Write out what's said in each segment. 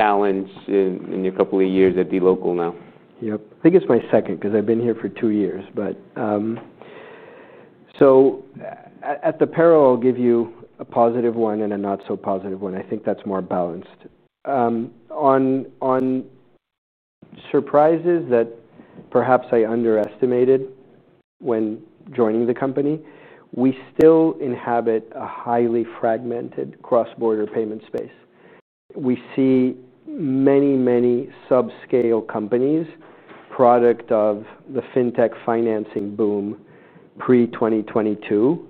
Balance in your couple of years at dLocal now? I think it's my second because I've been here for two years. At the parallel, I'll give you a positive one and a not so positive one. I think that's more balanced. On surprises that perhaps I underestimated when joining the company, we still inhabit a highly fragmented cross-border payment space. We see many, many sub-scale companies, product of the fintech financing boom pre-2022,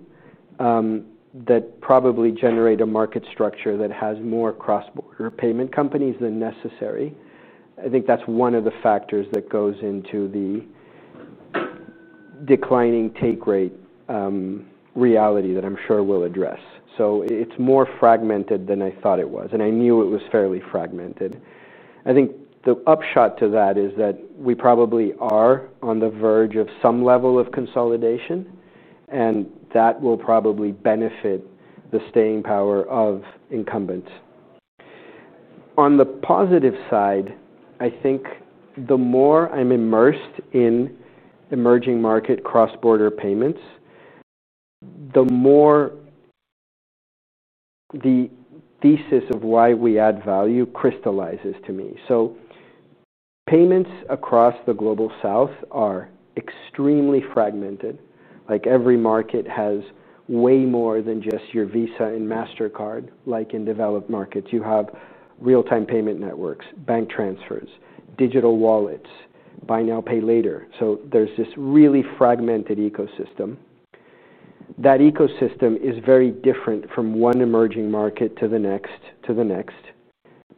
that probably generate a market structure that has more cross-border payment companies than necessary. I think that's one of the factors that goes into the declining take rate reality that I'm sure we'll address. It's more fragmented than I thought it was, and I knew it was fairly fragmented. The upshot to that is that we probably are on the verge of some level of consolidation, and that will probably benefit the staying power of incumbents. On the positive side, the more I'm immersed in emerging market cross-border payments, the more the thesis of why we add value crystallizes to me. Payments across the global South are extremely fragmented. Every market has way more than just your Visa and MasterCard. In developed markets, you have real-time payment networks, bank transfers, digital wallets, buy now, pay later. There's this really fragmented ecosystem. That ecosystem is very different from one emerging market to the next, to the next.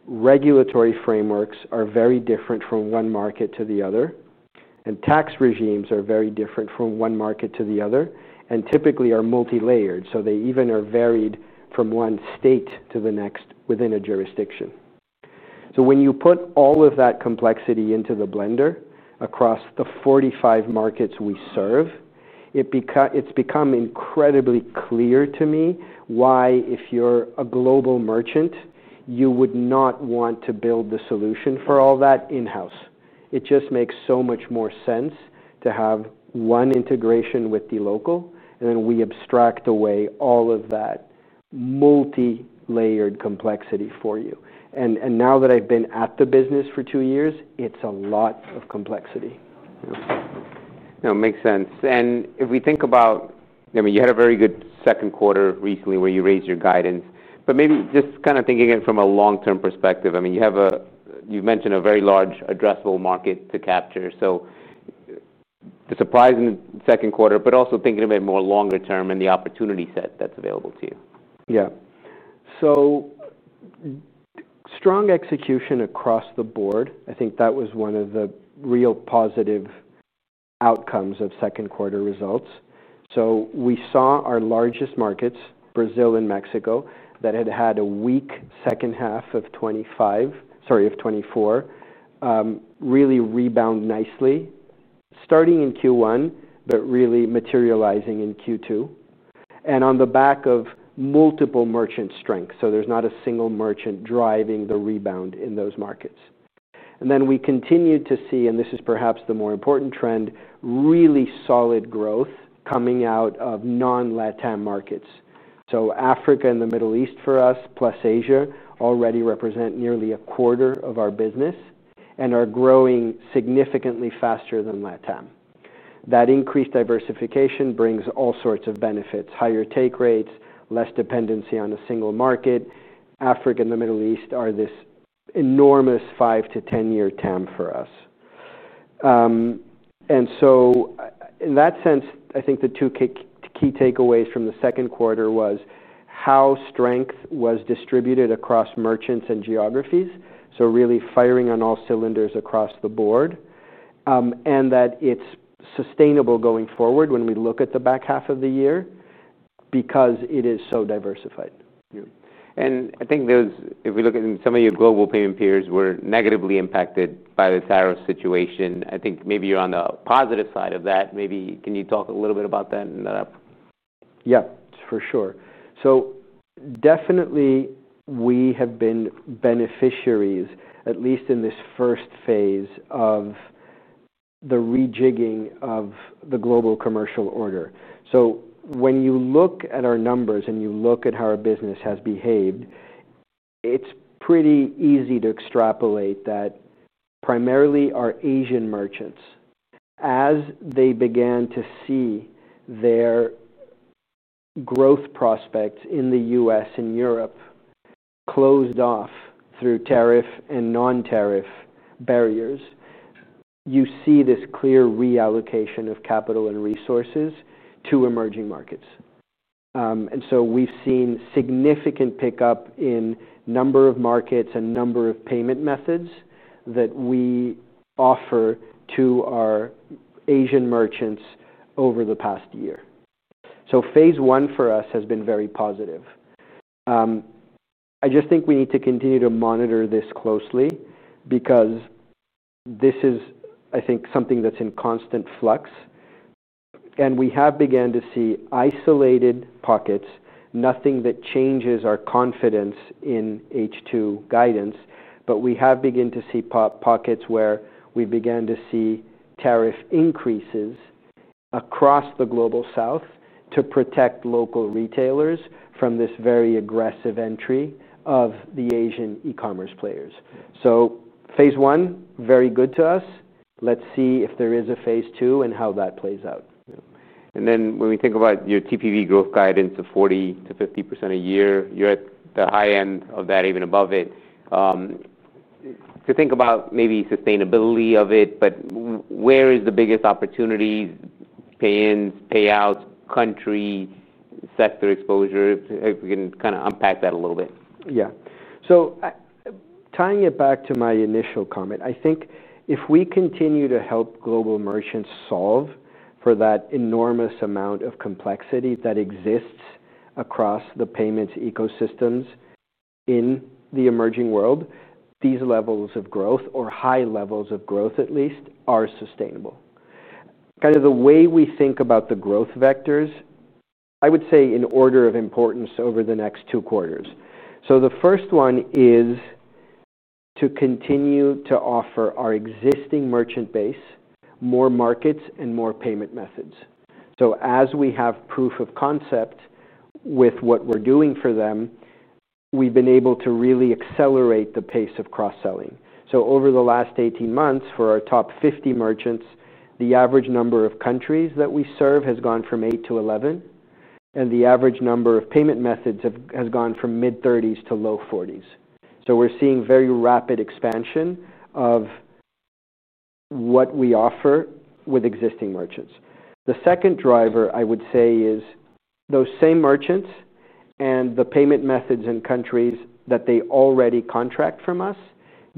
Regulatory frameworks are very different from one market to the other, and tax regimes are very different from one market to the other, and typically are multi-layered. They even are varied from one state to the next within a jurisdiction. When you put all of that complexity into the blender across the 45 markets we serve, it's become incredibly clear to me why, if you're a global merchant, you would not want to build the solution for all that in-house. It just makes so much more sense to have one integration with dLocal, and then we abstract away all of that multi-layered complexity for you. Now that I've been at the business for two years, it's a lot of complexity. No, it makes sense. If we think about, I mean, you had a very good second quarter recently where you raised your guidance, maybe just kind of thinking from a long-term perspective, you mentioned a very large addressable market to capture. The surprise in the second quarter, also thinking a bit more longer term and the opportunity set that's available to you. Yeah. Strong execution across the board. I think that was one of the real positive outcomes of second quarter results. We saw our largest markets, Brazil and Mexico, that had had a weak second half of 2024, really rebound nicely, starting in Q1, but really materializing in Q2. On the back of multiple merchant strengths, there's not a single merchant driving the rebound in those markets. We continued to see, and this is perhaps the more important trend, really solid growth coming out of non-LATAM markets. Africa and the Middle East for us, plus Asia, already represent nearly a quarter of our business and are growing significantly faster than LATAM. That increased diversification brings all sorts of benefits, higher take rates, less dependency on a single market. Africa and the Middle East are this enormous five to ten-year TAM for us. In that sense, I think the two key takeaways from the second quarter were how strength was distributed across merchants and geographies. Really firing on all cylinders across the board, and it's sustainable going forward when we look at the back half of the year because it is so diversified. Yeah, I think if we look at some of your global payment peers who were negatively impacted by the tariff situation, I think maybe you're on the positive side of that. Maybe can you talk a little bit about that and that up? Yeah, for sure. Definitely we have been beneficiaries, at least in this first phase of the rejigging of the global commercial order. When you look at our numbers and you look at how our business has behaved, it's pretty easy to extrapolate that primarily our Asian merchants, as they began to see their growth prospects in the U.S. and EU closed off through tariff and non-tariff barriers, you see this clear reallocation of capital and resources to emerging markets. We've seen significant pickup in the number of markets and number of payment methods that we offer to our Asian merchants over the past year. Phase one for us has been very positive. I just think we need to continue to monitor this closely because this is something that's in constant flux. We have begun to see isolated pockets, nothing that changes our confidence in H2 guidance, but we have begun to see pockets where we began to see tariff increases across the global South to protect local retailers from this very aggressive entry of the Asian e-commerce players. Phase one, very good to us. Let's see if there is a phase two and how that plays out. When we think about your TPV growth guidance of 40% to 50% a year, you're at the high end of that, even above it. If you think about maybe sustainability of it, where is the biggest opportunity? Pay-ins, payouts, country sector exposure, if we can kind of unpack that a little bit. Yeah. Tying it back to my initial comment, I think if we continue to help global merchants solve for that enormous amount of complexity that exists across the payment ecosystems in the emerging world, these levels of growth, or high levels of growth at least, are sustainable. The way we think about the growth vectors, I would say in order of importance over the next two quarters, the first one is to continue to offer our existing merchant base more markets and more payment methods. As we have proof of concept with what we're doing for them, we've been able to really accelerate the pace of cross-selling. Over the last 18 months, for our top 50 merchants, the average number of countries that we serve has gone from eight to 11, and the average number of payment methods has gone from mid-30s to low 40s. We're seeing very rapid expansion of what we offer with existing merchants. The second driver, I would say, is those same merchants and the payment methods and countries that they already contract from us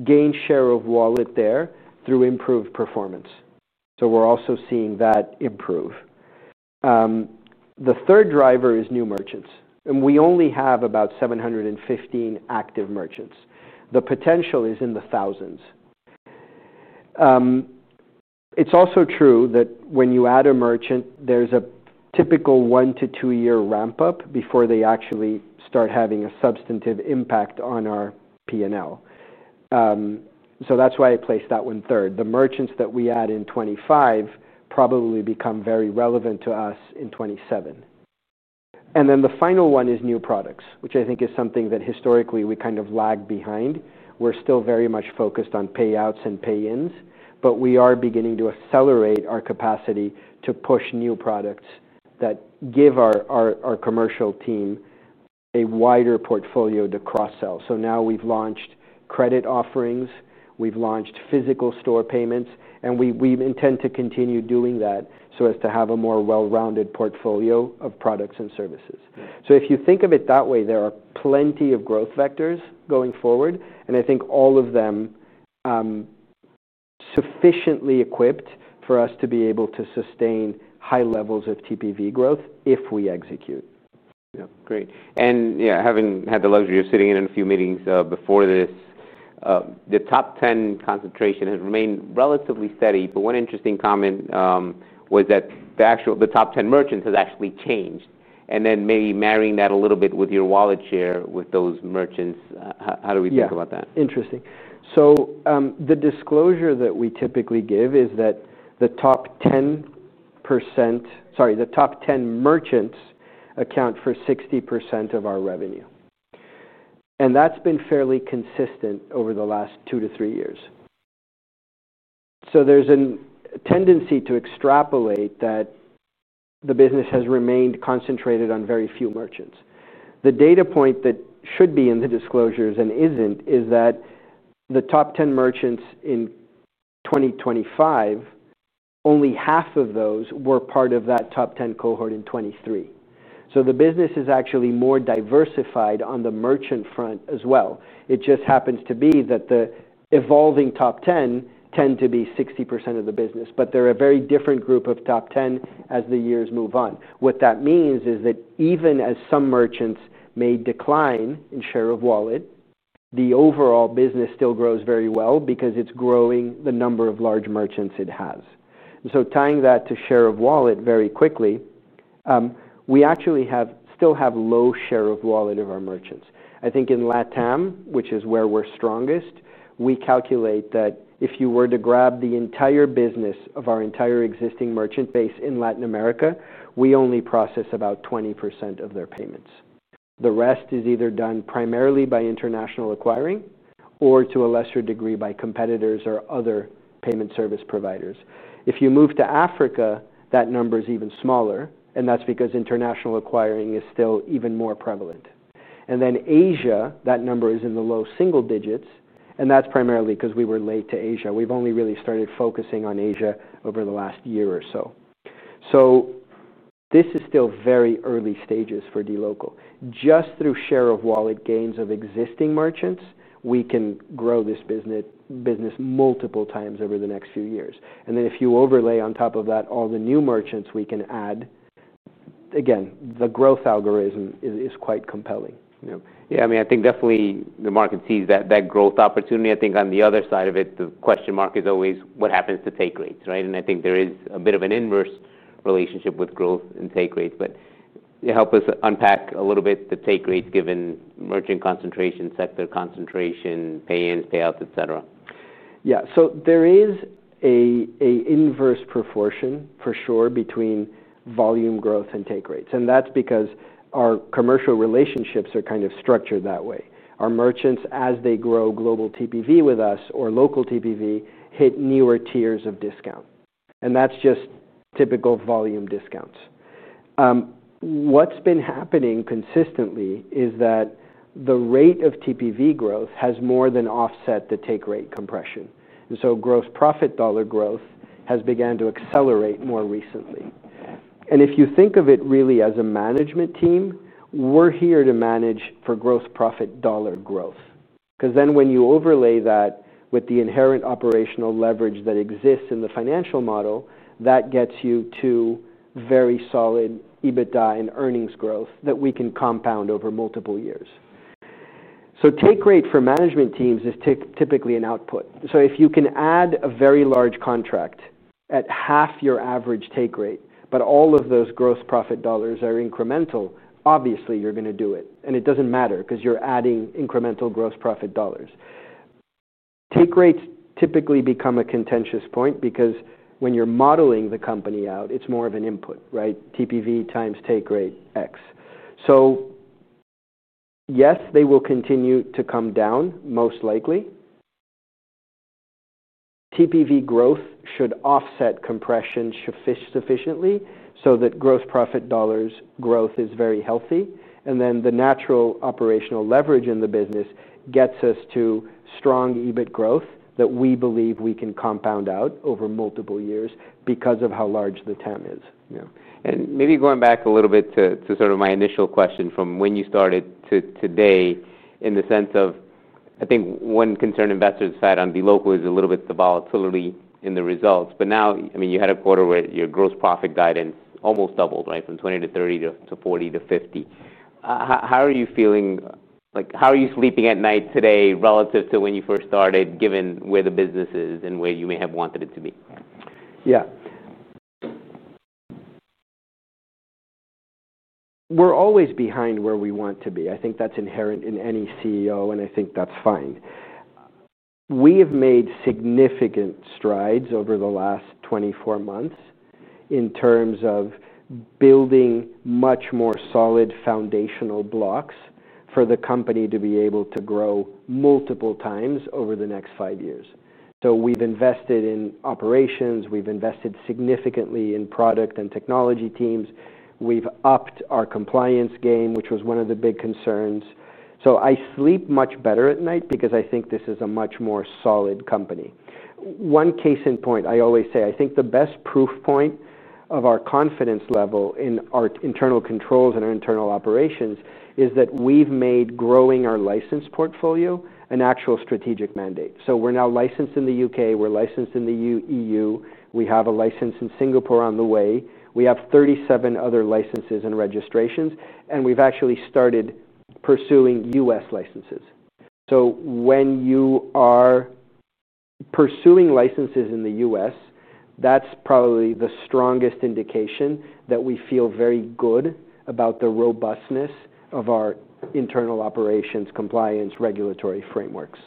gain share of wallet there through improved performance. We're also seeing that improve. The third driver is new merchants, and we only have about 715 active merchants. The potential is in the thousands. It's also true that when you add a merchant, there's a typical one to two-year ramp-up before they actually start having a substantive impact on our P&L. That's why I placed that one third. The merchants that we add in 2025 probably become very relevant to us in 2027. The final one is new products, which I think is something that historically we kind of lagged behind. We're still very much focused on payouts and pay-ins, but we are beginning to accelerate our capacity to push new products that give our commercial team a wider portfolio to cross-sell. Now we've launched credit solutions, we've launched physical store payments, and we intend to continue doing that so as to have a more well-rounded portfolio of products and services. If you think of it that way, there are plenty of growth vectors going forward, and I think all of them are sufficiently equipped for us to be able to sustain high levels of TPV growth if we execute. Great. Having had the luxury of sitting in a few meetings before this, the top 10 concentration has remained relatively steady, but one interesting comment was that the top 10 merchants has actually changed. Maybe marrying that a little bit with your wallet share with those merchants, how do we think about that? Interesting. The disclosure that we typically give is that the top 10 merchants account for 60% of our revenue, and that's been fairly consistent over the last two to three years. There's a tendency to extrapolate that the business has remained concentrated on very few merchants. The data point that should be in the disclosures and isn't is that the top 10 merchants in 2025, only half of those were part of that top 10 cohort in 2023. The business is actually more diversified on the merchant front as well. It just happens to be that the evolving top 10 tend to be 60% of the business, but they're a very different group of top 10 as the years move on. What that means is that even as some merchants may decline in share of wallet, the overall business still grows very well because it's growing the number of large merchants it has. Tying that to share of wallet very quickly, we actually still have low share of wallet of our merchants. I think in Latin America, which is where we're strongest, we calculate that if you were to grab the entire business of our entire existing merchant base in Latin America, we only process about 20% of their payments. The rest is either done primarily by international acquiring or to a lesser degree by competitors or other payment service providers. If you move to Africa, that number is even smaller, and that's because international acquiring is still even more prevalent. In Asia, that number is in the low single digits, and that's primarily because we were late to Asia. We've only really started focusing on Asia over the last year or so. This is still very early stages for dLocal. Just through share of wallet gains of existing merchants, we can grow this business multiple times over the next few years. If you overlay on top of that all the new merchants we can add, again, the growth algorithm is quite compelling. Yeah, I mean, I think definitely the market sees that growth opportunity. I think on the other side of it, the question mark is always what happens to take rates, right? I think there is a bit of an inverse relationship with growth and take rates, but you help us unpack a little bit the take rates given merchant concentration, sector concentration, pay-ins, payouts, et cetera. Yeah, so there is an inverse proportion for sure between volume growth and take rates, and that's because our commercial relationships are kind of structured that way. Our merchants, as they grow global TPV with us or local TPV, hit newer tiers of discount. That's just typical volume discounts. What's been happening consistently is that the rate of TPV growth has more than offset the take rate compression, and gross profit dollar growth has begun to accelerate more recently. If you think of it really as a management team, we're here to manage for gross profit dollar growth, because then when you overlay that with the inherent operational leverage that exists in the financial model, that gets you to very solid EBITDA and earnings growth that we can compound over multiple years. Take rate for management teams is typically an output. If you can add a very large contract at half your average take rate, but all of those gross profit dollars are incremental, obviously you're going to do it. It doesn't matter because you're adding incremental gross profit dollars. Take rates typically become a contentious point because when you're modeling the company out, it's more of an input, right? TPV times take rate X. Yes, they will continue to come down most likely. TPV growth should offset compression sufficiently so that gross profit dollars growth is very healthy, and the natural operational leverage in the business gets us to strong EBIT growth that we believe we can compound out over multiple years because of how large the TAM is. Maybe going back a little bit to sort of my initial question from when you started to today in the sense of, I think one concern investors fight on dLocal is a little bit the volatility in the results. Now, I mean, you had a quarter where your gross profit guidance almost doubled, right, from $20 million to $30 million to $40 million to $50 million. How are you feeling? How are you sleeping at night today relative to when you first started, given where the business is and where you may have wanted it to be? Yeah. We're always behind where we want to be. I think that's inherent in any CEO, and I think that's fine. We have made significant strides over the last 24 months in terms of building much more solid foundational blocks for the company to be able to grow multiple times over the next five years. We've invested in operations, we've invested significantly in product and technology teams, we've upped our compliance game, which was one of the big concerns. I sleep much better at night because I think this is a much more solid company. One case in point, I always say, I think the best proof point of our confidence level in our internal controls and our internal operations is that we've made growing our license portfolio an actual strategic mandate. We're now licensed in the UK, we're licensed in the EU, we have a license in Singapore on the way, we have 37 other licenses and registrations, and we've actually started pursuing U.S. licenses. When you are pursuing licenses in the U.S., that's probably the strongest indication that we feel very good about the robustness of our internal operations, compliance, regulatory frameworks.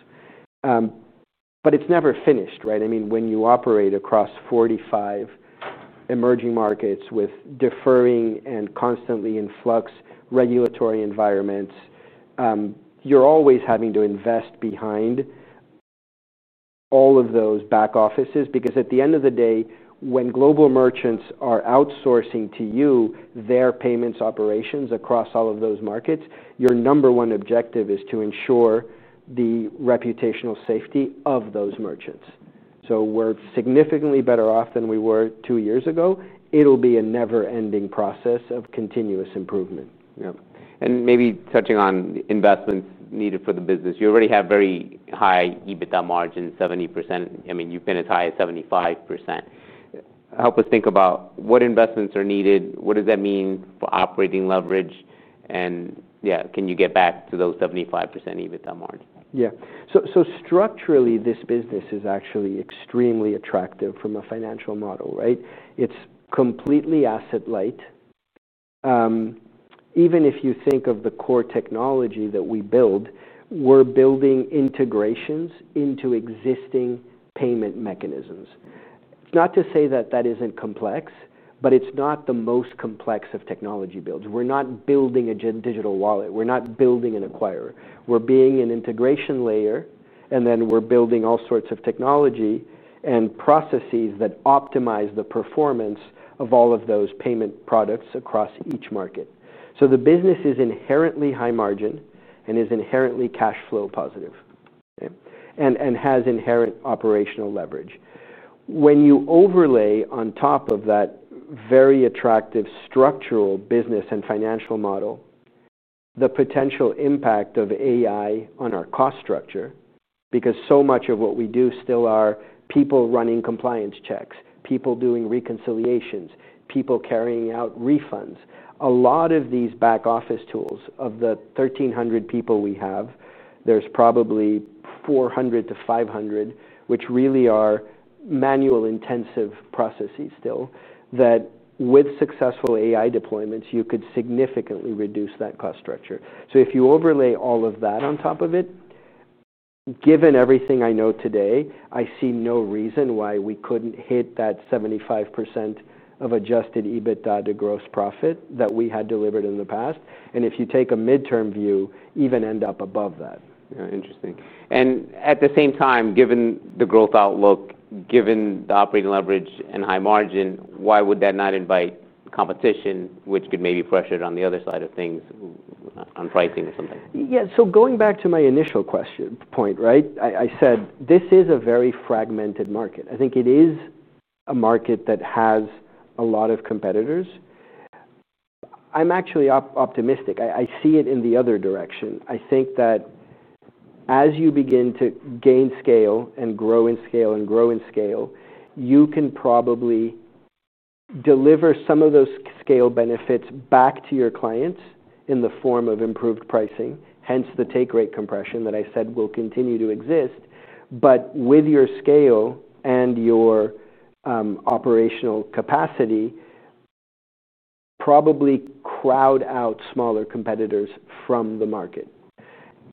It's never finished, right? I mean, when you operate across 45 emerging markets with differing and constantly in flux regulatory environments, you're always having to invest behind all of those back offices. At the end of the day, when global merchants are outsourcing to you their payments operations across all of those markets, your number one objective is to ensure the reputational safety of those merchants. We're significantly better off than we were two years ago. It'll be a never-ending process of continuous improvement. Maybe touching on investments needed for the business, you already have very high EBITDA margins, 70%. I mean, you've been as high as 75%. Help us think about what investments are needed, what does that mean for operating leverage, and can you get back to those 75% EBITDA margin? Yeah. Structurally, this business is actually extremely attractive from a financial model, right? It's completely asset light. Even if you think of the core technology that we build, we're building integrations into existing payment mechanisms. Not to say that that isn't complex, but it's not the most complex of technology builds. We're not building a digital wallet. We're not building an acquirer. We're being an integration layer, and then we're building all sorts of technology and processes that optimize the performance of all of those payment products across each market. The business is inherently high margin and is inherently cash flow positive, right, and has inherent operational leverage. When you overlay on top of that very attractive structural business and financial model, the potential impact of AI on our cost structure, because so much of what we do still are people running compliance checks, people doing reconciliations, people carrying out refunds, a lot of these back office tools of the 1,300 people we have, there's probably 400 to 500, which really are manual intensive processes still, that with successful AI deployments, you could significantly reduce that cost structure. If you overlay all of that on top of it, given everything I know today, I see no reason why we couldn't hit that 75% of adjusted EBITDA to gross profit that we had delivered in the past. If you take a midterm view, even end up above that. Interesting. At the same time, given the growth outlook, given the operating leverage and high margin, why would that not invite competition, which could maybe pressure it on the other side of things on pricing or something? Yeah, so going back to my initial question point, I said this is a very fragmented market. I think it is a market that has a lot of competitors. I'm actually optimistic. I see it in the other direction. I think that as you begin to gain scale and grow in scale, you can probably deliver some of those scale benefits back to your clients in the form of improved pricing, hence the take rate compression that I said will continue to exist. With your scale and your operational capacity, you probably crowd out smaller competitors from the market.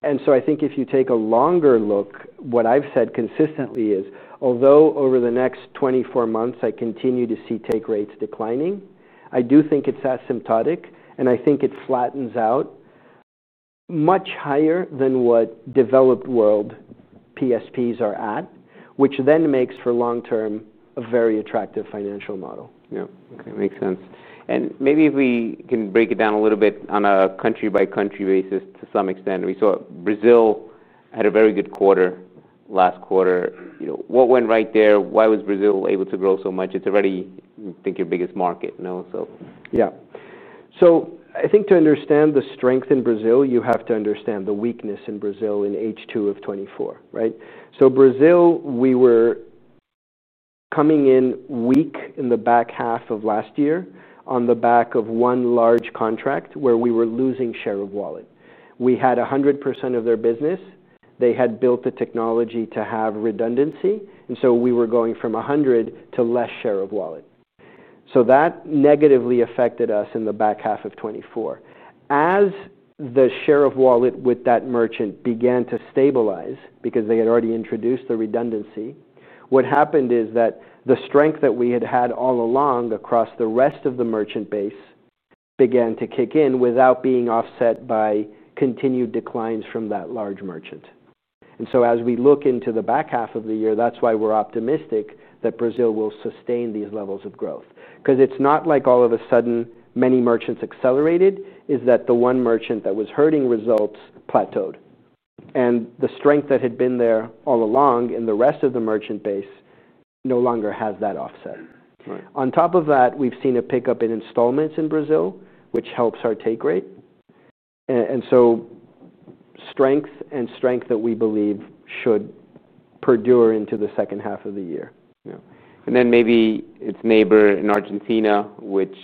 I think if you take a longer look, what I've said consistently is, although over the next 24 months, I continue to see take rates declining, I do think it's asymptotic, and I think it flattens out much higher than what developed world PSPs are at, which then makes for long-term a very attractive financial model. Yeah, okay, makes sense. Maybe if we can break it down a little bit on a country-by-country basis to some extent, we saw Brazil had a very good quarter last quarter. You know, what went right there? Why was Brazil able to grow so much? It's already, I think, your biggest market, you know. Yeah. I think to understand the strength in Brazil, you have to understand the weakness in Brazil in H2 of 2024, right? Brazil, we were coming in weak in the back half of last year on the back of one large contract where we were losing share of wallet. We had 100% of their business. They had built the technology to have redundancy, and we were going from 100% to less share of wallet. That negatively affected us in the back half of 2024. As the share of wallet with that merchant began to stabilize because they had already introduced the redundancy, what happened is that the strength that we had had all along across the rest of the merchant base began to kick in without being offset by continued declines from that large merchant. As we look into the back half of the year, that's why we're optimistic that Brazil will sustain these levels of growth. It's not like all of a sudden many merchants accelerated, it's that the one merchant that was hurting results plateaued. The strength that had been there all along in the rest of the merchant base no longer has that offset. On top of that, we've seen a pickup in installments in Brazil, which helps our take rate. Strength and strength that we believe should perdure into the second half of the year. Maybe its neighbor in Argentina, which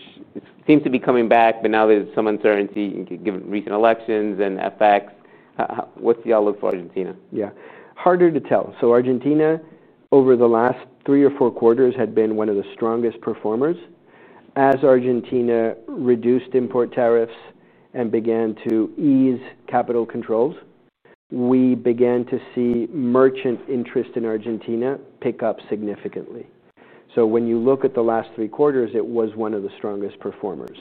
seems to be coming back, but now there's some uncertainty given recent elections and FX. What's the outlook for Argentina? Harder to tell. Argentina, over the last three or four quarters, had been one of the strongest performers. As Argentina reduced import tariffs and began to ease capital controls, we began to see merchant interest in Argentina pick up significantly. When you look at the last three quarters, it was one of the strongest performers.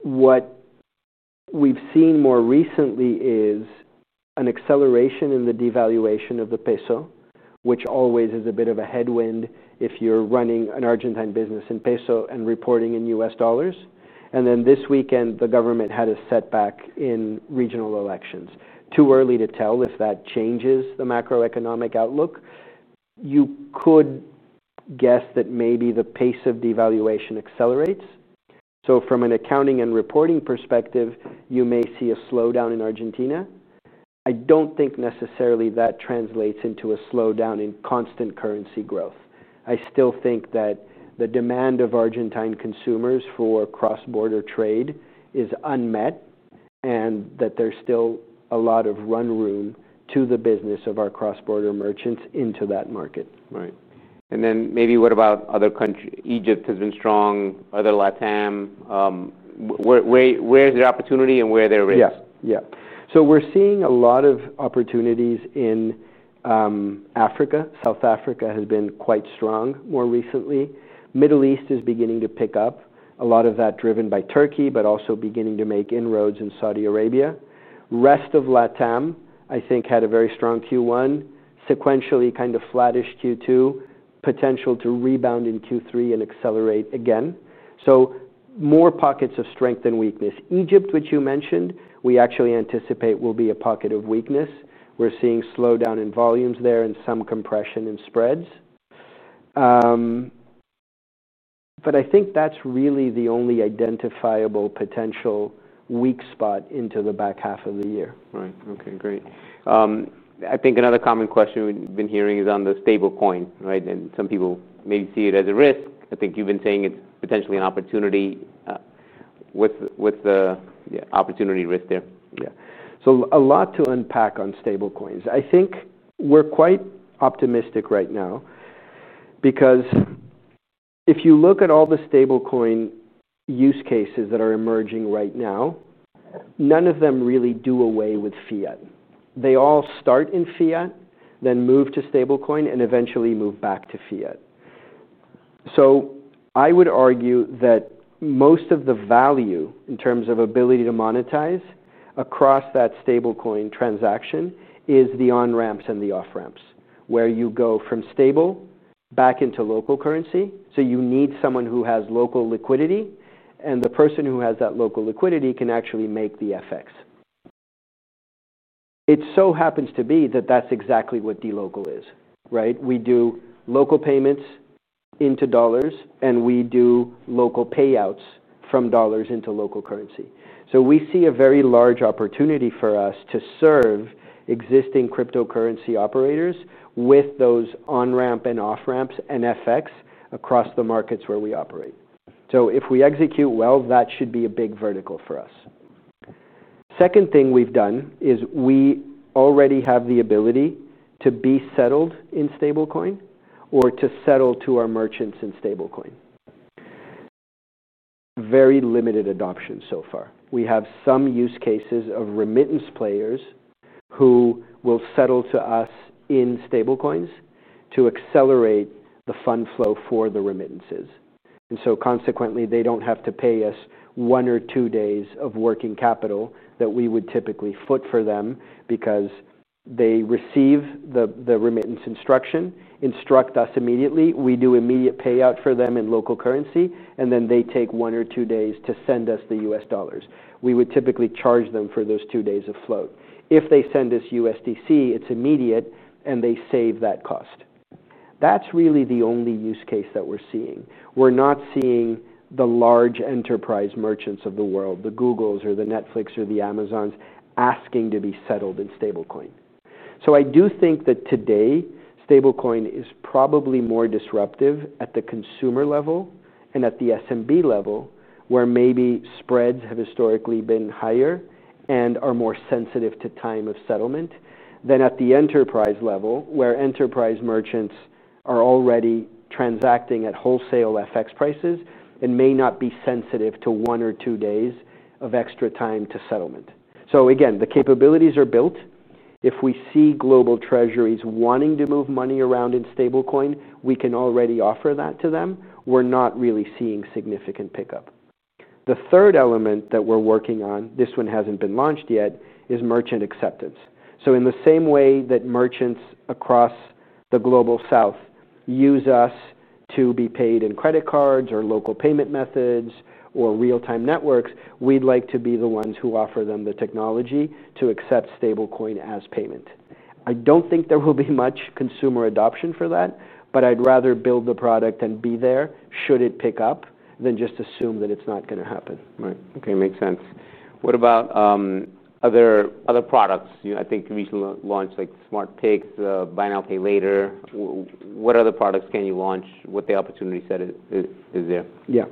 What we've seen more recently is an acceleration in the devaluation of the peso, which always is a bit of a headwind if you're running an Argentine business in peso and reporting in U.S. dollars. This weekend, the government had a setback in regional elections. It is too early to tell if that changes the macroeconomic outlook. You could guess that maybe the pace of devaluation accelerates. From an accounting and reporting perspective, you may see a slowdown in Argentina. I don't think necessarily that translates into a slowdown in constant currency growth. I still think that the demand of Argentine consumers for cross-border trade is unmet and that there's still a lot of run room to the business of our cross-border merchants into that market. Right. Maybe what about other countries? Egypt has been strong. Other LATAM. Where's the opportunity and where are their risks? Yeah, yeah. We're seeing a lot of opportunities in Africa. South Africa has been quite strong more recently. Middle East is beginning to pick up, a lot of that driven by Turkey, but also beginning to make inroads in Saudi Arabia. Rest of Latin America, I think, had a very strong Q1, sequentially kind of flattish Q2, potential to rebound in Q3 and accelerate again. More pockets of strength and weakness. Egypt, which you mentioned, we actually anticipate will be a pocket of weakness. We're seeing slowdown in volumes there and some compression in spreads. I think that's really the only identifiable potential weak spot into the back half of the year. Right. Okay, great. I think another common question we've been hearing is on the stablecoin, right? Some people may see it as a risk. I think you've been saying it's potentially an opportunity. What's the opportunity risk there? Yeah. A lot to unpack on stablecoins. I think we're quite optimistic right now because if you look at all the stablecoin use cases that are emerging right now, none of them really do away with fiat. They all start in fiat, then move to stablecoin, and eventually move back to fiat. I would argue that most of the value in terms of ability to monetize across that stablecoin transaction is the on-ramps and the off-ramps, where you go from stable back into local currency. You need someone who has local liquidity, and the person who has that local liquidity can actually make the FX. It so happens to be that that's exactly what dLocal is, right? We do local payments into dollars, and we do local payouts from dollars into local currency. We see a very large opportunity for us to serve existing cryptocurrency operators with those on-ramp and off-ramps and FX across the markets where we operate. If we execute well, that should be a big vertical for us. The second thing we've done is we already have the ability to be settled in stablecoin or to settle to our merchants in stablecoin. Very limited adoption so far. We have some use cases of remittance players who will settle to us in stablecoins to accelerate the fund flow for the remittances. Consequently, they don't have to pay us one or two days of working capital that we would typically foot for them because they receive the remittance instruction, instruct us immediately. We do immediate payout for them in local currency, and then they take one or two days to send us the U.S. dollars. We would typically charge them for those two days of float. If they send us USDC, it's immediate, and they save that cost. That's really the only use case that we're seeing. We're not seeing the large enterprise merchants of the world, the Googles or the Netflix or the Amazons, asking to be settled in stablecoin. I do think that today stablecoin is probably more disruptive at the consumer level and at the SMB level, where maybe spreads have historically been higher and are more sensitive to time of settlement than at the enterprise level, where enterprise merchants are already transacting at wholesale FX prices and may not be sensitive to one or two days of extra time to settlement. The capabilities are built. If we see global treasuries wanting to move money around in stablecoin, we can already offer that to them. We're not really seeing significant pickup. The third element that we're working on, this one hasn't been launched yet, is merchant acceptance. In the same way that merchants across the global South use us to be paid in credit cards or local payment methods or real-time networks, we'd like to be the ones who offer them the technology to accept stablecoin as payment. I don't think there will be much consumer adoption for that, but I'd rather build the product and be there should it pick up than just assume that it's not going to happen. Right. Okay, makes sense. What about other products? I think recently launched like SmartPix, Binance PayLater. What other products can you launch with the opportunity set is there? Yeah.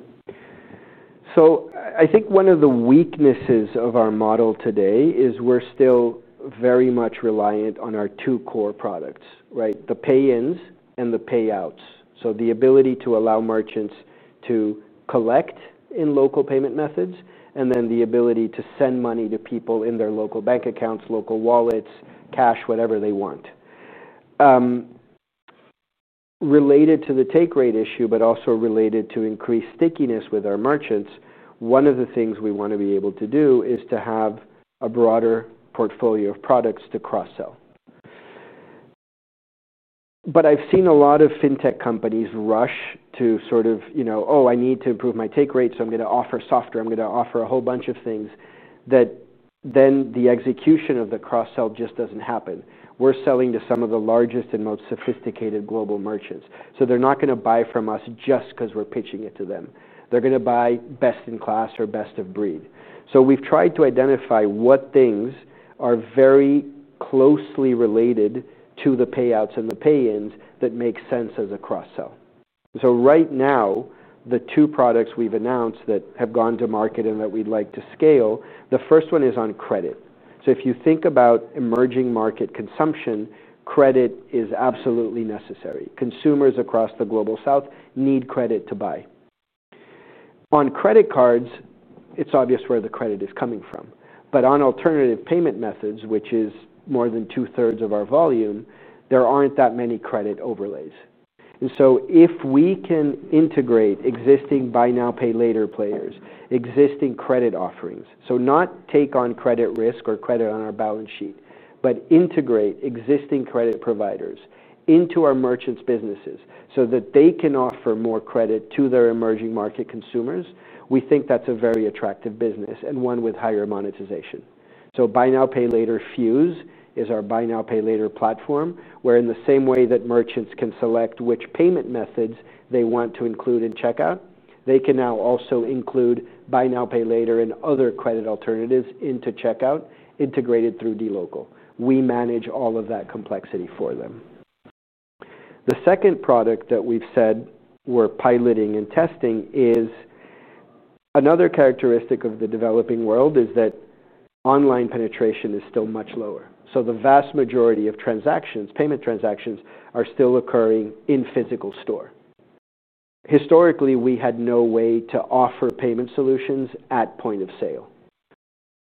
I think one of the weaknesses of our model today is we're still very much reliant on our two core products, right? The pay-ins and the payouts. The ability to allow merchants to collect in local payment methods and then the ability to send money to people in their local bank accounts, local wallets, cash, whatever they want. Related to the take rate issue, but also related to increased stickiness with our merchants, one of the things we want to be able to do is to have a broader portfolio of products to cross-sell. I've seen a lot of fintech companies rush to sort of, you know, oh, I need to improve my take rate, so I'm going to offer software, I'm going to offer a whole bunch of things that then the execution of the cross-sell just doesn't happen. We're selling to some of the largest and most sophisticated global merchants. They're not going to buy from us just because we're pitching it to them. They're going to buy best in class or best of breed. We've tried to identify what things are very closely related to the payouts and the pay-ins that make sense as a cross-sell. Right now, the two products we've announced that have gone to market and that we'd like to scale, the first one is on credit. If you think about emerging market consumption, credit is absolutely necessary. Consumers across the global South need credit to buy. On credit cards, it's obvious where the credit is coming from. On alternative payment methods, which is more than two-thirds of our volume, there aren't that many credit overlays. If we can integrate existing Buy Now Pay Later players, existing credit offerings, not take on credit risk or credit on our balance sheet, but integrate existing credit providers into our merchants' businesses so that they can offer more credit to their emerging market consumers, we think that's a very attractive business and one with higher monetization. Buy Now Pay Later Fuse is our Buy Now Pay Later platform, where in the same way that merchants can select which payment methods they want to include in checkout, they can now also include Buy Now Pay Later and other credit alternatives into checkout integrated through dLocal. We manage all of that complexity for them. The second product that we've said we're piloting and testing is another characteristic of the developing world is that online penetration is still much lower. The vast majority of payment transactions are still occurring in physical stores. Historically, we had no way to offer payment solutions at point of sale.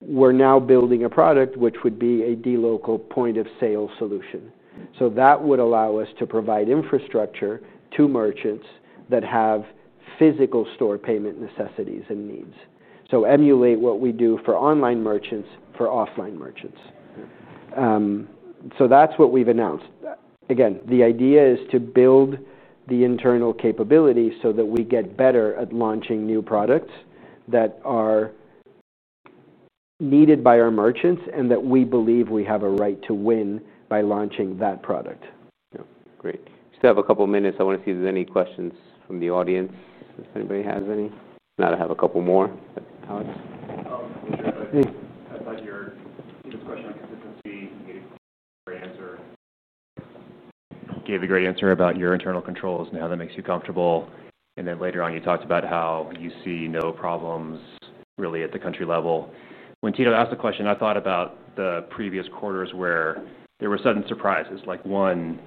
We're now building a product which would be a dLocal point of sale solution. That would allow us to provide infrastructure to merchants that have physical store payment necessities and needs, to emulate what we do for online merchants for offline merchants. That's what we've announced. The idea is to build the internal capability so that we get better at launching new products that are needed by our merchants and that we believe we have a right to win by launching that product. Yeah, great. We still have a couple of minutes. I want to see if there's any questions from the audience, if anybody has any. I have a couple more. Alex? Oh, sure. I thought your discussion on consistency gave a great answer about your internal controls now that makes you comfortable. Later on, you talked about how you see no problems really at the country level. When Tito asked the question, I thought about the previous quarters where there were sudden surprises, like one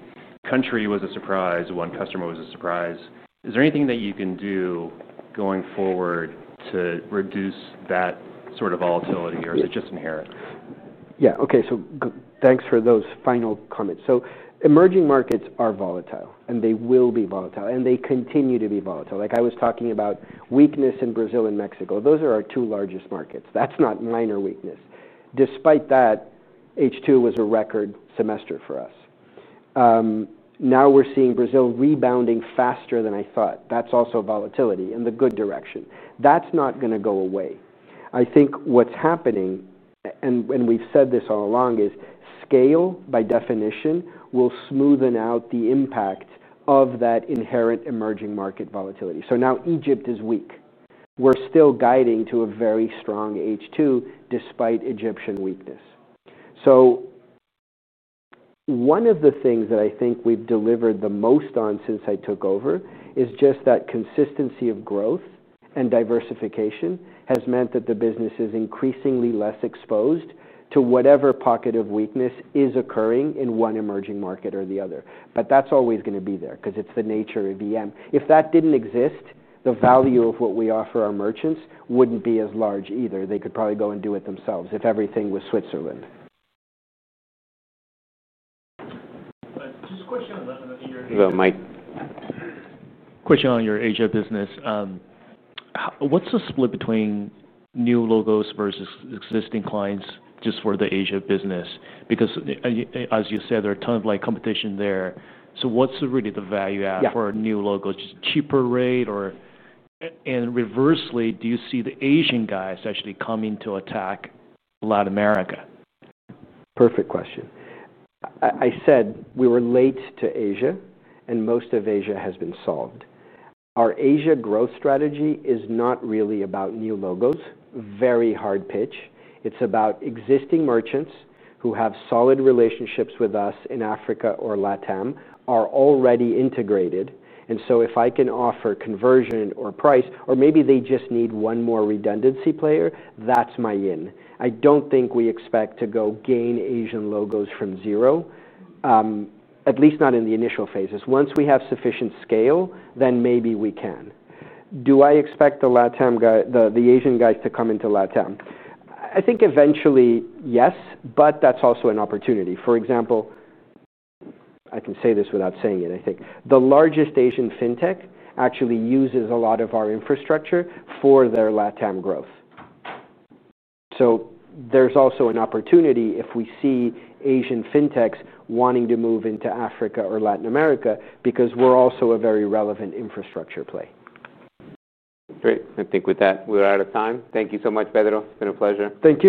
country was a surprise, one customer was a surprise. Is there anything that you can do going forward to reduce that sort of volatility, or is it just inherent? Yeah, okay, so thanks for those final comments. Emerging markets are volatile, and they will be volatile, and they continue to be volatile. Like I was talking about weakness in Brazil and Mexico. Those are our two largest markets. That's not minor weakness. Despite that, H2 was a record semester for us. Now we're seeing Brazil rebounding faster than I thought. That's also volatility in the good direction. That's not going to go away. I think what's happening, and we've said this all along, is scale by definition will smoothen out the impact of that inherent emerging market volatility. Now Egypt is weak. We're still guiding to a very strong H2 despite Egyptian weakness. One of the things that I think we've delivered the most on since I took over is just that consistency of growth and diversification has meant that the business is increasingly less exposed to whatever pocket of weakness is occurring in one emerging market or the other. That's always going to be there because it's the nature of EM. If that didn't exist, the value of what we offer our merchants wouldn't be as large either. They could probably go and do it themselves if everything was Switzerland. Just a question at the end of the interview. Go ahead, Mike. Question on your Asia business. What's the split between new logos versus existing clients just for the Asia business? As you said, there are a ton of competition there. What's really the value add for a new logo? Just a cheaper rate? Reversely, do you see the Asian guys actually coming to attack Latin America? Perfect question. I said we were late to Asia, and most of Asia has been solved. Our Asia growth strategy is not really about new logos. Very hard pitch. It's about existing merchants who have solid relationships with us in Africa or Latin America, are already integrated. If I can offer conversion or price, or maybe they just need one more redundancy player, that's my in. I don't think we expect to go gain Asian logos from zero, at least not in the initial phases. Once we have sufficient scale, then maybe we can. Do I expect the Asian guys to come into Latin America? I think eventually, yes, but that's also an opportunity. For example, I can say this without saying it, I think the largest Asian fintech actually uses a lot of our infrastructure for their Latin America growth. There's also an opportunity if we see Asian fintechs wanting to move into Africa or Latin America because we're also a very relevant infrastructure play. Great. I think with that, we're out of time. Thank you so much, Pedro. It's been a pleasure. Thank you.